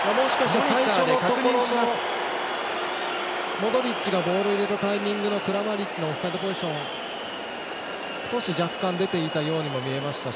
モドリッチがボールを入れたタイミングのクラマリッチのオフサイドポジション少し若干出ていたようにも見えましたし。